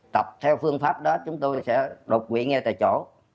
tập theo phương pháp đó chúng tôi sẽ đột quỵ nghe tại chỗ